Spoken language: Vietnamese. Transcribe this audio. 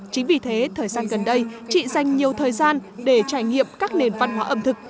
chính vì thế thời gian gần đây chị dành nhiều thời gian để trải nghiệm các nền văn hóa ẩm thực